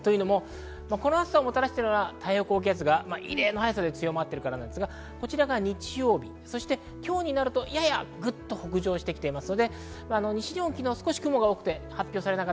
この暑さをもたらしているのは太平洋高気圧が異例の早さで強まっているからですが、こちら日曜日、そして今日になると、ややぐっと北上してきています。